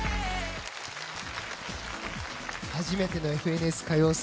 初めての「ＦＮＳ歌謡祭」